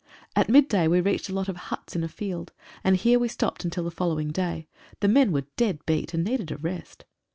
At mid day we reached a lot of huts in a field, and here we stopped until the following day. The men were dead beat, and needed a rest.